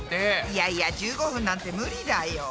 いやいや１５分なんて無理だよ。